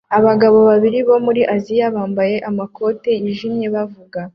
Abagabo babiri bo muri Aziya bambaye amakoti yijimye bavuga